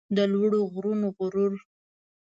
د لوړو غرونو غرور